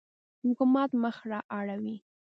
حکومت مخ را اړوي.